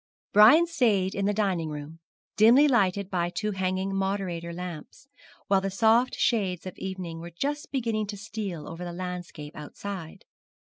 Brian stayed in the dining room, dimly lighted by two hanging moderator lamps, while the soft shades of evening were just beginning to steal over the landscape outside.